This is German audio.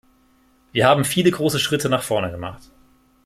Wir haben viele große Schritte nach vorne gemacht.